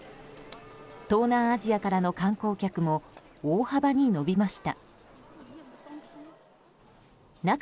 東南アジアからの観光客も大幅に伸びました。